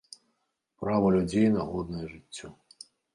Права людзей на годнае жыццё.